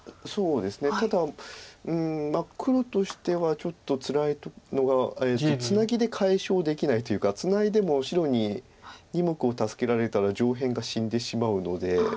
ただ黒としてはちょっとつらいのがツナギで解消できないというかツナいでも白に２目を助けられたら上辺が死んでしまうので。